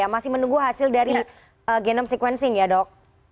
masih menunggu hasil dari genome sequencing ya dok